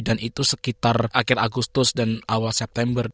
dan itu sekitar akhir agustus dan awal september